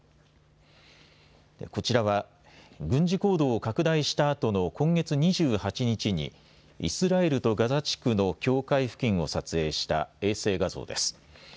こちらは、軍事行動を拡大したあとの今月２８日に、イスラエルとガザ地区の境界付近を撮影した衛星画像です。